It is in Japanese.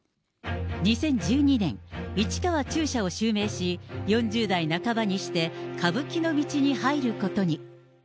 ２０１２年、市川中車を襲名し、４０代半ばにして歌舞伎の道に入ることに。